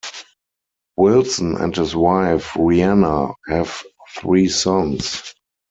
Wilson and his wife Reanna have three sons.